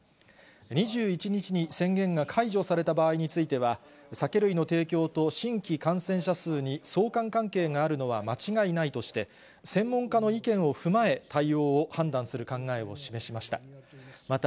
２１日に宣言が解除された場合については、酒類の提供と新規感染者数に相関関係があるのは間違いないとして、専門家の意見を踏まえ、対応を判断する考えを示しました。